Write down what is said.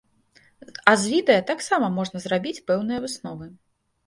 А з відэа таксама можна зрабіць пэўныя высновы.